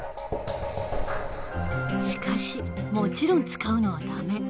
しかしもちろん使うのはダメ。